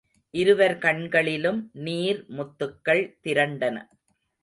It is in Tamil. இருவர் கண்களிலும் நீர் முத்துக்கள் திரண்டன.